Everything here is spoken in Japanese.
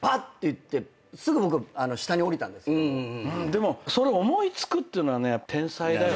でもそれ思い付くっていうのはね天才だよ。